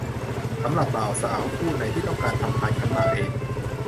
สำหรับบ่าวสาวคู่ไหนที่ต้องการทำพานขันหมากเอง